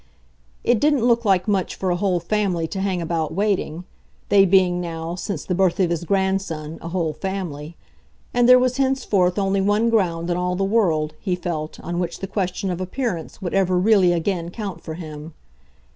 It didn't look like much for a whole family to hang about waiting they being now, since the birth of his grandson, a whole family; and there was henceforth only one ground in all the world, he felt, on which the question of appearance would ever really again count for him.